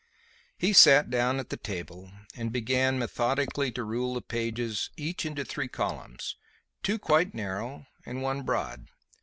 He sat down at the table and began methodically to rule the pages each into three columns, two quite narrow and one broad.